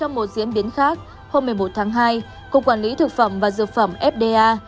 trong một diễn biến khác hôm một mươi một tháng hai cục quản lý thực phẩm và dược phẩm fda